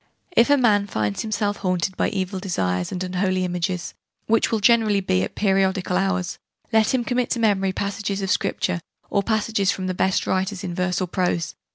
"If a man finds himself haunted by evil desires and unholy images, which will generally be at periodical hours, let him commit to memory passages of Scripture, or passages from the best writers in verse or prose.